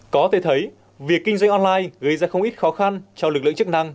có thể thấy việc kinh doanh online gây ra không ít khó khăn cho lực lượng chức năng